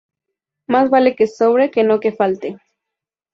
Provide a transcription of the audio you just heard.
Más vale que sobre que no que falte